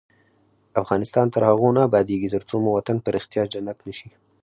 افغانستان تر هغو نه ابادیږي، ترڅو مو وطن په ریښتیا جنت نشي.